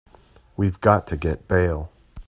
We've got to get bail.